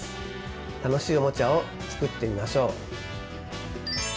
楽しいおもちゃを作ってみましょう！